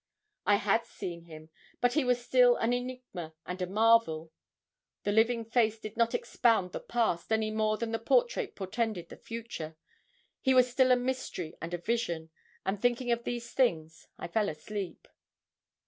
I had seen him; but he was still an enigma and a marvel. The living face did not expound the past, any more than the portrait portended the future. He was still a mystery and a vision; and thinking of these things I fell asleep.